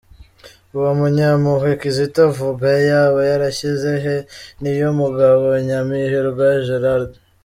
Uwo Munyampuhwe Kizito avuga, yaba yarashyize he Niyomugabo Nyamihirwa Gerald?